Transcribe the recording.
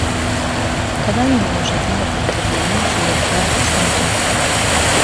تەواوی ڕۆژەکەم بە پاککردنەوەی ژوورەکە بەسەر برد.